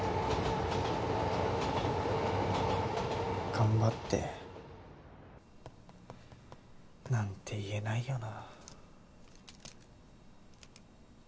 頑張ってなんて言えないよな。